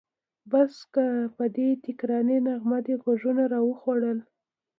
بس که! په دې تکراري نغمه دې غوږونه راوخوړل.